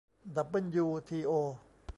ดับเบิลยูทีโอ